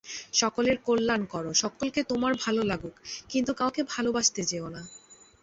সকলের কল্যাণ কর, সকলকে তোমার ভাল লাগুক, কিন্তু কাউকে ভালবাসতে যেও না।